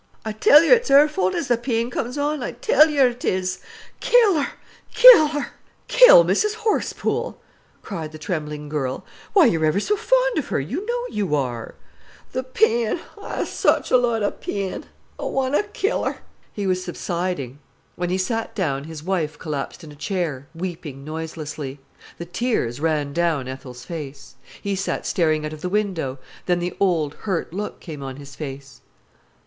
"I tell yer it's 'er fault as th' peen comes on—I tell yer it is! Kill 'er—kill 'er!" "Kill Mrs Horsepool!" cried the trembling girl. "Why, you're ever so fond of her, you know you are." "The peen—I ha'e such a lot o' peen—I want to kill 'er." He was subsiding. When he sat down his wife collapsed in a chair, weeping noiselessly. The tears ran down Ethel's face. He sat staring out of the window; then the old, hurt look came on his face.